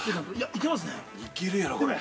◆いけるやろ、これ。